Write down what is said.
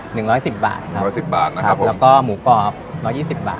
หนึ่งร้อยสิบบาทครับร้อยสิบบาทนะครับผมแล้วก็หมูกรอบร้อยยี่สิบบาท